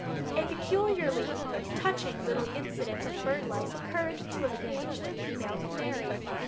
A peculiarly touching little incident of bird life occurred to a caged female canary.